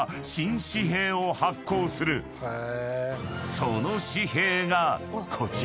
［その紙幣がこちら］